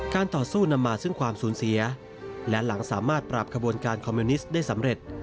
ต่อสู้นำมาซึ่งความสูญเสียและหลังสามารถปรับขบวนการคอมมิวนิสต์ได้สำเร็จ